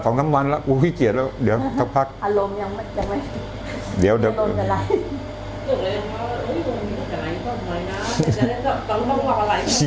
สองทั้งวันแล้วโอ้โฮขี้เกียจแล้วเดี๋ยวต้องพักอารมณ์ยังไม่ยังไม่